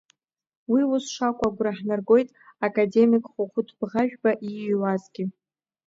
Уи ус шакәу агәра ҳнаргоит академик Хәыхәыт Бӷажәба ииҩуазгьы.